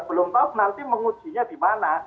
belum tahu nanti mengujinya dimana